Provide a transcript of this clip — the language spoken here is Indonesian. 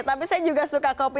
tapi saya juga suka kopi